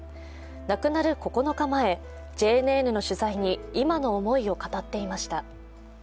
亡くなる９日前、ＪＮＮの取材に今の思いを語っていました。